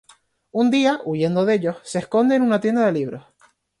Un día, huyendo de ellos, se esconde en una tienda de libros.